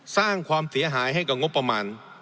สร้างความเสียหายให้กับงบประมาณ